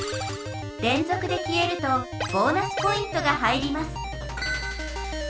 れんぞくで消えるとボーナスポイントが入ります。